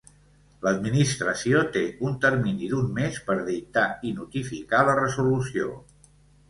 L'administració té un termini d'un mes per dictar i notificar la resolució.